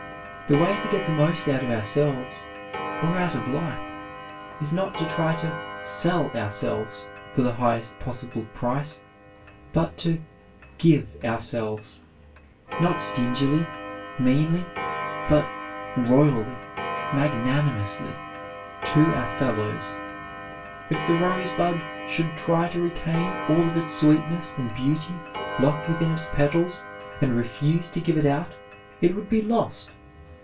The way to get the most out of ourselves, or out of life, is not to try to sell ourselves for the highest possible price but to give ourselves, not stingily, meanly, but royally, magnanimously, to our fellows. If the rosebud should try to retain all of its sweetness and beauty locked within its petals and refuse to give it out, it would be lost.